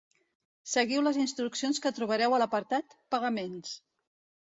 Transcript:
Seguiu les instruccions que trobareu a l'apartat "Pagaments".